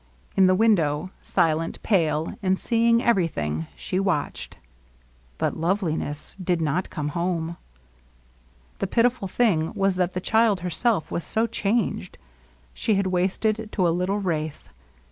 In the window, silent, pale, and seeing everything, she watched. But LoveUness did not come home. The pitiful thing was that the child herself was so changed. She had wasted to a little wraith.